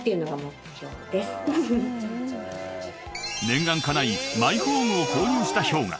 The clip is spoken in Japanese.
［念願かないマイホームを購入したＨｙＯｇＡ］